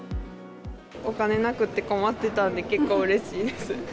お金なくって困ってたんで、結構うれしいです。